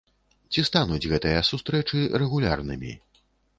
Ці стануць гэтыя сустрэчы рэгулярнымі?